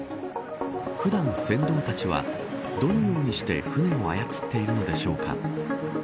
普段、船頭たちはどのようにして舟を操っているのでしょうか。